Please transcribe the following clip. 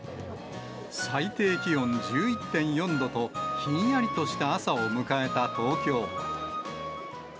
最低気温１１．４度と、ひんやりとした朝を迎えた東京。